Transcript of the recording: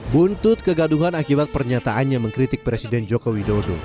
buntut kegaduhan akibat pernyataannya mengkritik presiden joko widodo